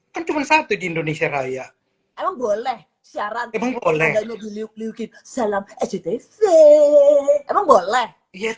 kan cuma satu di indonesia raya emang boleh siaran keboleh liuk liuk salam stv emang boleh